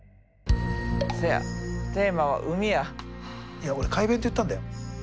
いやオレ「快便」って言ったんだよ。